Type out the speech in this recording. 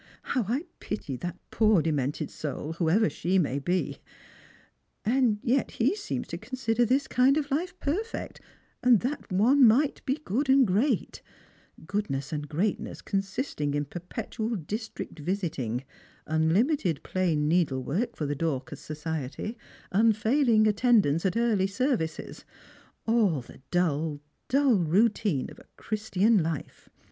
" How I ])ity that poor demented soul, whoever she may be ! And yet lie seems to consider this kind of life perfect, and that one might be good and great; goodness and greatness consisting in perpetual district visiting, uidimited plain needlework for the Dorcas society, unfailing attendance at early services — all the dull, dull routine of a Christian life.